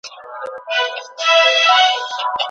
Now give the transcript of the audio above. زه له ماشومتوب راهيسي د دې هدف په لټه کي يم.